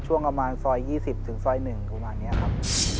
ช่วงประมาณซอย๒๐ถึงซอย๑ประมาณนี้ครับ